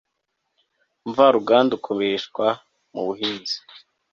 mvaruganda ukoreshwa mu buhinzi